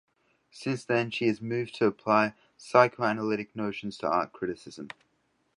Since then she has moved to apply psychoanalytic notions to art criticism.